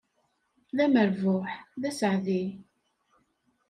D amerbuḥ, d asaɛdi!